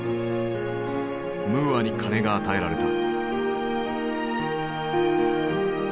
ムーアに金が与えられた。